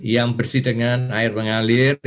yang bersih dengan air mengalir